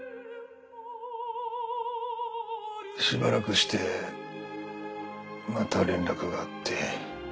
しばらくしてまた連絡があって。